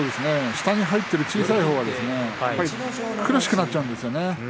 下に入っている小さい方はやはり、苦しくなっちゃうんですね。